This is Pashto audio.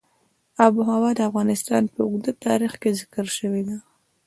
آب وهوا د افغانستان په اوږده تاریخ کې ذکر شوې ده.